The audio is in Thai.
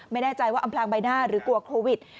ไม่แน่ใจว่าอำพลางใบหน้าหรือกลัวโควิด